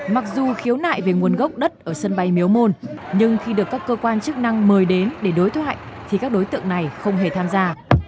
mặc dù khiếu nại về nguồn gốc đất ở sân bay miếu môn nhưng khi được các cơ quan chức năng mời đến để đối thoại thì các đối tượng này không hề tham gia